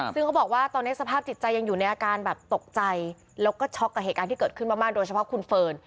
ซึ่งเขาบอกว่าตอนนี้สภาพจิตใจยังอยู่ในอาการแบบตกใจแล้วก็ช็อกกับเหตุการณ์ที่เกิดขึ้นมากโดยเฉพาะคุณเฟิร์น